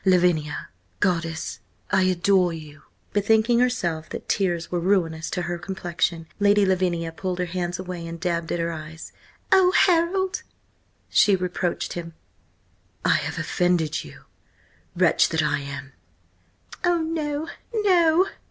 "Lavinia! Goddess! I adore you!" Bethinking herself that tears were ruinous to her complexion, Lady Lavinia pulled her hands away and dabbed at her eyes. "Oh, Harold!" she reproached him. "I have offended you! Wretch that I am—" "Oh, no, no!"